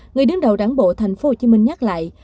người đứng đầu đáng bộ tp hcm nhắc lại